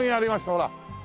ほら！